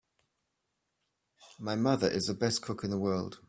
My mother is the best cook in the world!